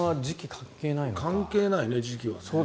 関係ないね、時期は。